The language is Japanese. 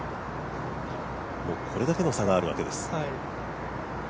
もう、これだけの差があるわけです。